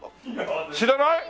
知らない？